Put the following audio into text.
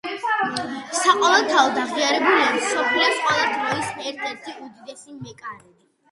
საყოველთაოდ აღიარებულია მსოფლიოს ყველა დროის ერთ-ერთ უდიდეს მეკარედ.